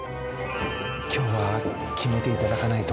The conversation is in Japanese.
今日は決めていただかないと。